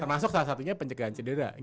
termasuk salah satunya pencegahan cedera